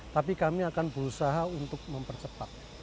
tapi kami akan berusaha untuk mempercepat